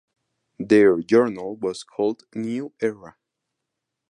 Their journal was called "New Era".